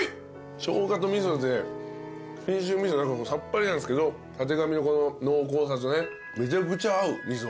ショウガと味噌で信州味噌さっぱりなんですけどたてがみのこの濃厚さとねめちゃくちゃ合う味噌。